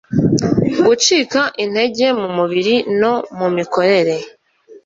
gucikaintege mu mubiri no mu mikorere